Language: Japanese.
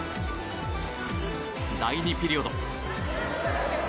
第２ピリオド。